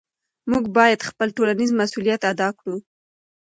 موږ باید خپل ټولنیز مسؤلیت ادا کړو.